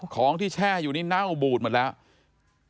ของที่แช่อยู่นี่เน่าบูดหมดแล้ว